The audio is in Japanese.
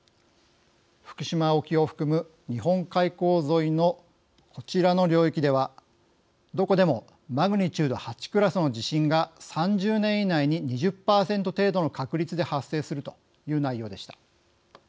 福島沖を含む日本海溝沿いのこちらの領域ではどこでもマグニチュード８クラスの地震が３０年以内に２０％程度の確率で発生するという内容でした。